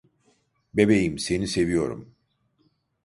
Bebeğim, seni seviyorum.